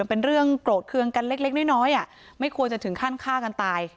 เป็นเรื่องโกรธเครื่องกันเล็กน้อยไม่ควรจะถึงขั้นฆ่ากันตาย